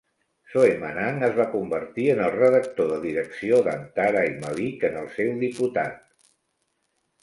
Soemanang es va convertir en el redactor de direcció d'Antara i Malik en el seu diputat.